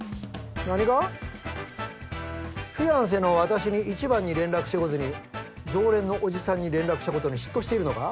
フィアンセの私に一番に連絡してこずに常連のおじさんに連絡したことに嫉妬しているのか？